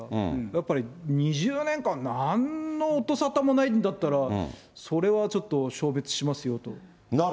やっぱり２０年間、なんの音さたもないんだったら、それはちょっと消滅しますよと。